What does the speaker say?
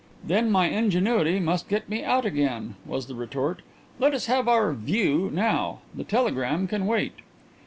"Then my ingenuity must get me out again," was the retort. "Let us have our 'view' now. The telegram can wait."